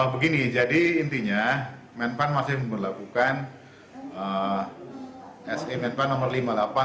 begini jadi intinya kemenpan masih berlakukan semenpan nomor lima puluh delapan tahun dua ribu dua puluh